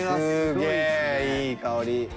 すげえいい香り。